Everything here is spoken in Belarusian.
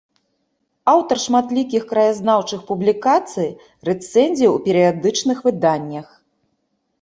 Аўтар шматлікіх краязнаўчых публікацый, рэцэнзій у перыядычных выданнях.